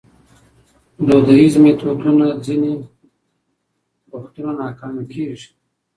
دودیز میتودونه ځینې وختونه ناکامه کېږي.